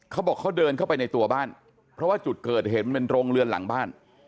เขาบอกเขาเดินเข้าไปในตัวบ้านเพราะว่าจุดเกิดเหตุมันเป็นโรงเรือนหลังบ้าน